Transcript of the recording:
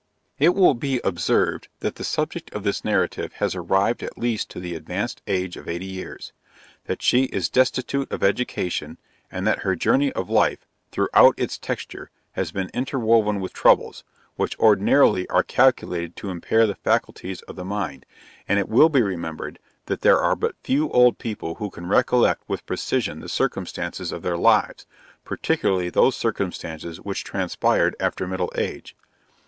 It will be observed that the subject of this narrative has arrived at least to the advanced age of eighty years; that she is destitute of education; and that her journey of life, throughout its texture, has been interwoven with troubles, which ordinarily are calculated to impair the faculties of the mind; and it will be remembered, that there are but few old people who can recollect with precision the circumstances of their lives, (particularly those circumstances which transpired after middle age.)